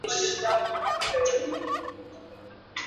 Washambuliaji wasiojulikana waliokuwa na silaha wamewaua wanajeshi